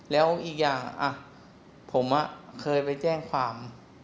แล้วอีกอย่างผมเคยไปแจ้งความ